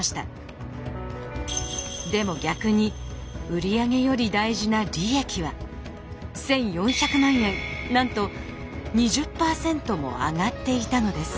でも逆に売り上げより大事な利益は１，４００万円なんと２０％も上がっていたのです。